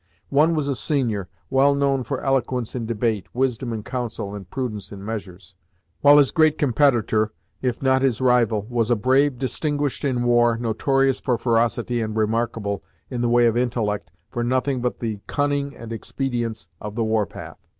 One was a senior, well known for eloquence in debate, wisdom in council, and prudence in measures; while his great competitor, if not his rival, was a brave distinguished in war, notorious for ferocity, and remarkable, in the way of intellect, for nothing but the cunning and expedients of the war path.